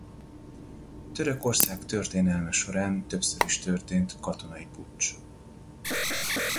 Törökország történelme során többször is történt katonai puccs.